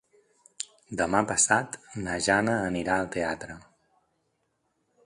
Demà passat na Jana anirà al teatre.